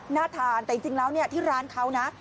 น่าทานแต่จริงแล้วที่ร้านเขานะ